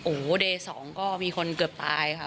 โอ้โหเดย์สองก็มีคนเกือบตายค่ะ